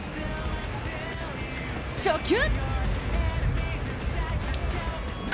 初球！